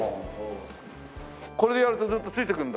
これやるとずっとついてくるんだ。